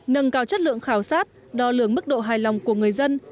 nâng cao chất lượng khảo sát đo lường mức độ hài lòng của người dân